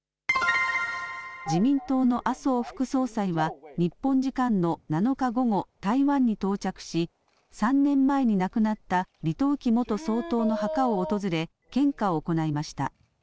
自民党の麻生副総裁は、日本時間の７日午後、台湾に到着し、３年前に亡くなった李登輝元総統の墓を訪れ、献花を行いました。